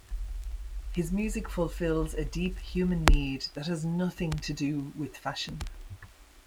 His music fulfills a deep human need that has nothing to do with fashion.